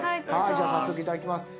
じゃあ早速いただきます。